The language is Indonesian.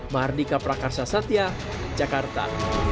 mardika prakarsa satya jakarta